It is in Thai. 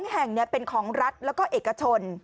๒แห่งเป็นของรัฐแล้วก็เอกชน